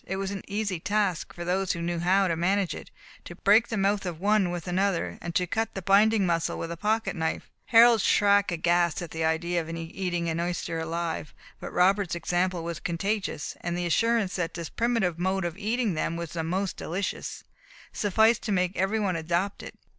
It was an easy task for those who knew how to manage it, to break the mouth of one with another and to cut the binding muscle with a pocket knife. Harold shrunk aghast at the idea of eating an oyster alive; but Robert's example was contagious, and the assurance that this primitive mode of eating them was the most delicious, sufficed to make every one adopt it.